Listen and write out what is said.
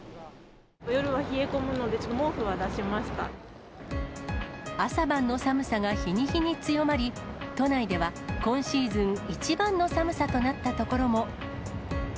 夜は冷え込むので、毛布は出朝晩の寒さが日に日に強まり、都内では今シーズン一番の寒さとなった所も。